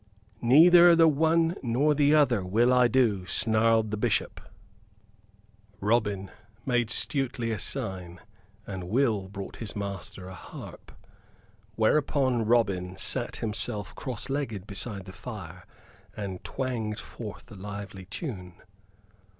"Neither the one nor the other will I do," snarled the Bishop. Robin made Stuteley a sign and Will brought his master a harp: whereupon Robin sat himself cross legged beside the fire and twanged forth a lively tune.